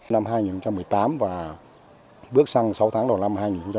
năm hai nghìn một mươi tám và bước sang sáu tháng đầu năm hai nghìn một mươi chín